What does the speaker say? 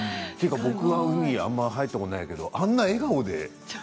僕は海、あまり入ったことないけど、あんなに笑顔で。